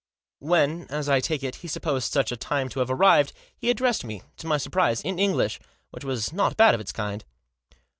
When, as I take it, he supposed such a time to have arrived, he addressed me, to my surprise, in English, which was not bad of its kind.